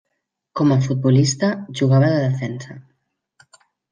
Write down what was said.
Com a futbolista, jugava de defensa.